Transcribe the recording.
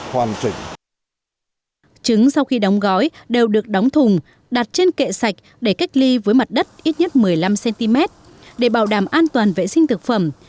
trứng sau khi đóng gói đều được đóng thùng đặt trên kệ sạch để cách ly với mặt đất ít nhất một mươi năm cm để bảo đảm an toàn vệ sinh thực phẩm